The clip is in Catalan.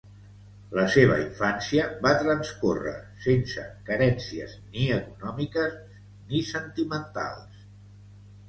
La seva infància va transcórrer sense carències, ni econòmiques, ni sentimentals.